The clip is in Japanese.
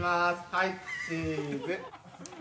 はいチズ。